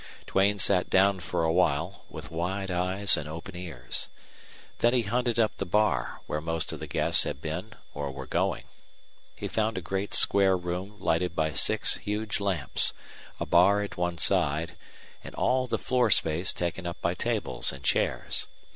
Duane sat down for a while, with wide eyes and open ears. Then he hunted up the bar, where most of the guests had been or were going. He found a great square room lighted by six huge lamps, a bar at one side, and all the floor space taken up by tables and chairs.